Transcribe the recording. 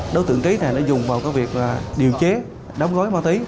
đối tượng trí này dùng vào việc điều chế đóng gói máu tí